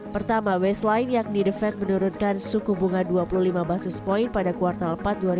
pertama baseline yakni the fed menurunkan suku bunga dua puluh lima basis point pada kuartal empat dua ribu dua puluh